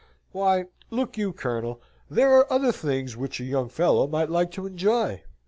"Why, look you, Colonel, there are other things which a young fellow might like to enjoy.